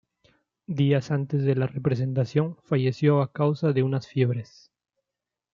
Días antes de la representación falleció a causa de unas fiebres.